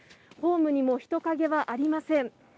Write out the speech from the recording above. ホームにも人影はありません。